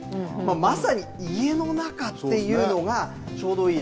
まさに家の中というのがちょうどいい。